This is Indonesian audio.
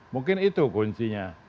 mungkin itu kuncinya